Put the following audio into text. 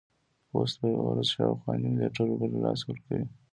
پوست په یوه ورځ شاوخوا نیم لیټر اوبه له لاسه ورکوي.